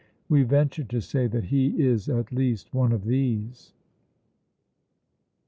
We venture to say that he is at least one of these."